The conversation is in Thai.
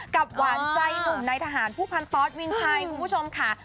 หวานใจหนุ่มในทหารผู้พันตอสวินชัยคุณผู้ชมค่ะ